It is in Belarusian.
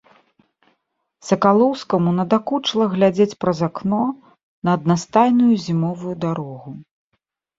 Сакалоўскаму надакучыла глядзець праз акно на аднастайную зімовую дарогу.